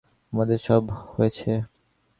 আমাদের সব হয়েছে।